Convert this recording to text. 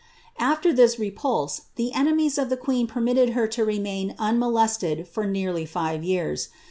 "' ier this repulse, the enemies of the queen permitted her to remain ^lested for nearly Ave years.